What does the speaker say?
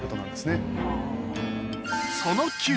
その９